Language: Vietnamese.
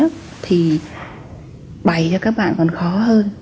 thì bày cho các bạn còn khó hơn